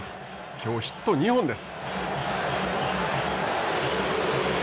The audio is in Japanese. きょうヒット２本です。